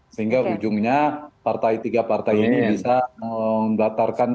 sehingga ujungnya partai tiga partai ini bisa membatarkan